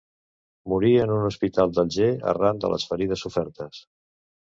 Morí en un hospital d'Alger arran de les ferides sofertes.